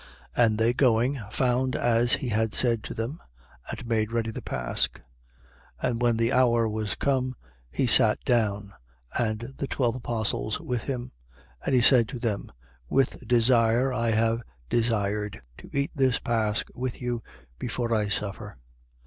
22:13. And they going, found as he had said to them and made ready the pasch. 22:14. And when the hour was come, he sat down: and the twelve apostles with him. 22:15. And he said to them: With desire I have desired to eat this pasch with you, before I suffer.